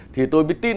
thì tôi mới tin